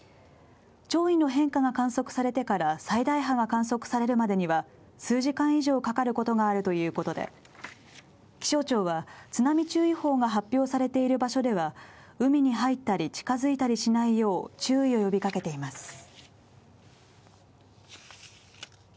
潮位の変化が観測されてから最大波が観測されるまでには、数時間以上かかることがあるということで、気象庁は津波注意報が発表されている場所では海に入ったり近づいたりしないよう注意を呼びかけています。